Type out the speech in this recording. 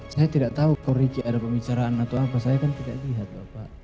saya tidak tahu kalau ricik ada pembicaraan atau apa saya kan tidak lihat bapak